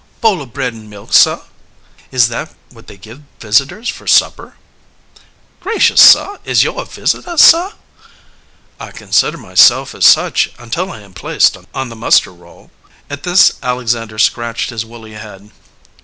"Bowl of bread and milk, sah." "Is that what they give visitors for supper?" "Gracious, sah, is yo' a visitah, sah?" "I consider myself as such until I am placed on the muster roll." At this Alexander scratched his woolly head.